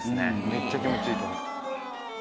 めっちゃ気持ちいいと思う。